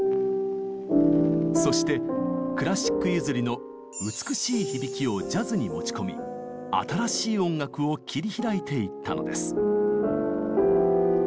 そしてクラシック譲りの「美しい響き」をジャズに持ち込み「新しい音楽」を切り開いていったのです。